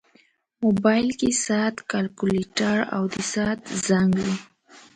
موبایل کې ساعت، کیلکولیټر، او ساعت زنګ وي.